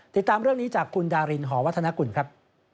ติดตามเรื่องนี้จากคุณดารินหอวัฒนกุลครับ